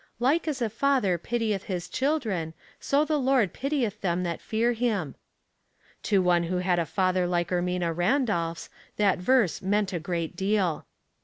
" Like as a father pitieth his children, so the Lord pitieth them that fear him." To one who had a father like Ermina Randolph's that verse meant a great deal.